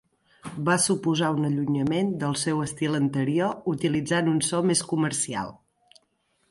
Va suposar un allunyament del seu estil anterior, utilitzant un so més comercial.